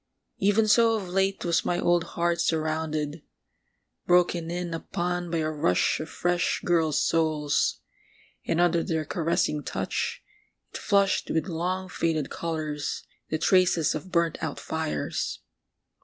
Even so of late was my old heart surrounded, broken in upon by a rush of fresh girls' souls ... and under their caressing touch it flushed with long faded colours, the traces of burnt out fires